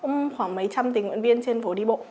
cũng khoảng mấy trăm tình nguyện viên trên phố đi bộ